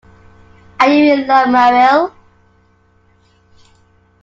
Are you in love, Muriel?